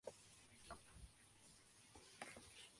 Se encuentra en Burundi, Congo y Ruanda.